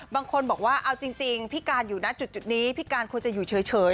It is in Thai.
บางคนบอกว่าเอาจริงพี่การอยู่นะจุดนี้พี่การควรจะอยู่เฉย